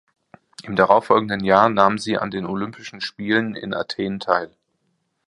Im darauffolgenden Jahr nahm sie an den Olympischen Spielen in Athen teil.